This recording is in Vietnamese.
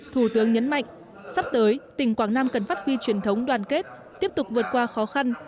thủ tướng nhấn mạnh sắp tới tỉnh quảng nam cần phát huy truyền thống đoàn kết tiếp tục vượt qua khó khăn